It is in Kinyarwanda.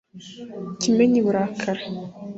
Kimenyi Burakari